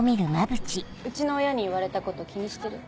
うちの親に言われたこと気にしてる？